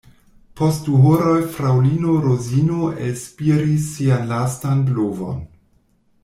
Post du horoj fraŭlino Rozino elspiris sian lastan blovon.